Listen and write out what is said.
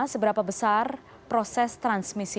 seberapa besar proses transmisi